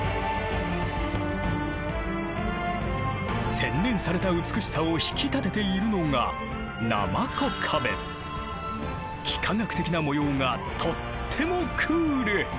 洗練された美しさを引き立てているのが幾何学的な模様がとってもクール。